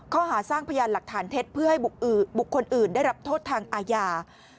ข้อหาสร้างพยานหลักฐานเท็จเพื่อให้บุคคลอื่นได้รับโทษทางอาญา